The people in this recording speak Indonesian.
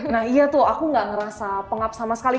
nah iya tuh aku gak ngerasa pengap sama sekali